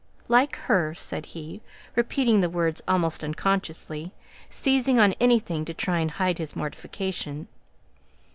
"Like her?" said he, repeating the words almost unconsciously, seizing on anything to try and hide his mortification.